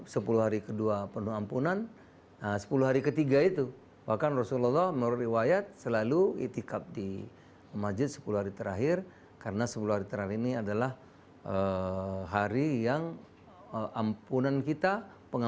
serana kontemplasi diri terutama di bulan suci ramadan